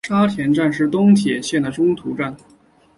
沙田站是东铁线的中途站。